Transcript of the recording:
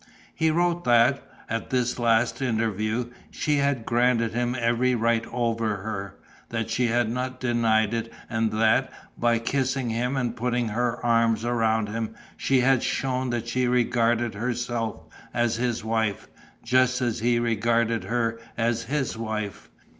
He wrote that, at this last interview, she had granted him every right over her, that she had not denied it and that, by kissing him and putting her arms around him, she had shown that she regarded herself as his wife, just as he regarded her as his wife.